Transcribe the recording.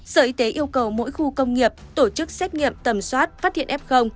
sở y tế yêu cầu mỗi khu công nghiệp tổ chức xét nghiệm tầm soát phát hiện f